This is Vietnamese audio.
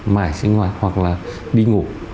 mãi sinh hoạt hoặc là đi ngủ